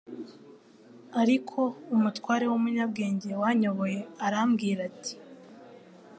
Ariko umutware w'umunyabwenge wanyoboye arambwira ati